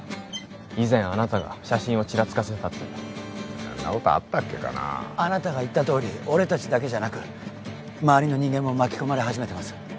以前あなたが写真をチラつかせてたってそんなことあったっけかなあなたが言ったとおり俺達だけじゃなく周りの人間も巻き込まれ始めてます